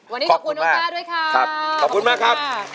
วันนี้ขอบคุณมากครับด้วยครับขอบคุณมากครับขอบคุณมาก